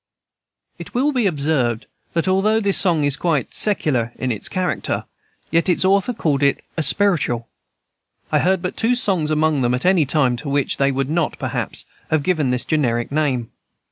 It will be observed that, although this song is quite secular in its character, yet its author called it a "spiritual." I heard but two songs among them, at any time, to which they would not, perhaps, have given this generic name.